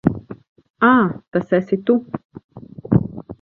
Ā, tas esi tu.